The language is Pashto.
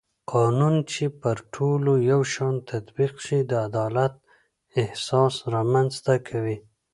قانون چې پر ټولو یو شان تطبیق شي د عدالت احساس رامنځته کوي